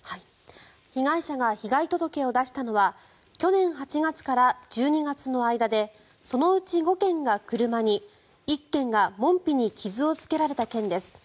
被害者が被害届を出したのは去年８月から１２月の間でそのうち５件が車に１件が門扉に傷をつけられた件です。